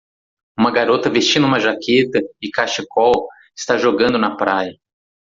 Uma garota vestindo uma jaqueta e cachecol está jogando na praia.